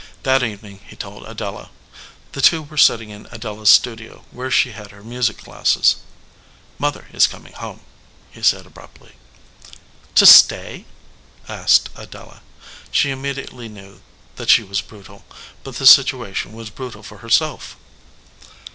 That evening he told Adela. The two were sitting in Adela s studio, where she had her music classes. "Mother is coming home," he said, abruptly. "To stay ?" asked Adela. She immediately knew that she \vas brutal, but the situation was brutal for herself.